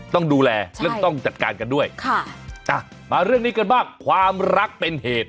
ต้องดูแลเรื่องต้องจัดการกันด้วยค่ะอ่ะมาเรื่องนี้กันบ้างความรักเป็นเหตุ